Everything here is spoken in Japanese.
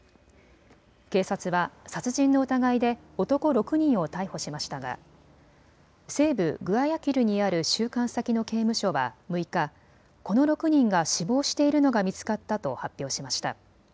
警察は殺人の疑いで男６人を逮捕しましたが西部グアヤキルにある収監先の刑務所は６日、この６人が死亡しているのが見つかったと発表しました。